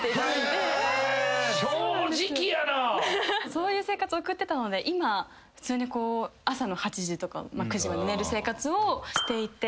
そういう生活送ってたので今普通に朝の８時とか９時まで寝る生活をしていて。